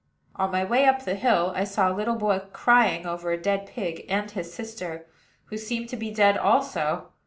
On my way up the hill, I saw a little boy crying over a dead pig, and his sister, who seemed to be dead also.